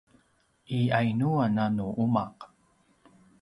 i yainuan a nu umaq?